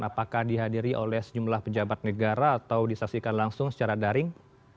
apakah dihadiri oleh sejumlah pejabat negara atau disaksikan langsung secara daring